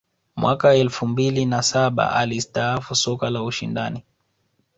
mwaka elfu mbili na saba alistaafu soka la ushindani